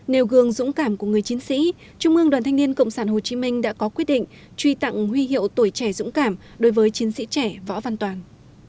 nêu gương dũng cảm của người chiến sĩ trung ương đoàn thanh niên cộng sản hồ chí minh đã có quyết định truy tặng huy hiệu tuổi trẻ dũng cảm đối với chiến sĩ trẻ võ văn toàn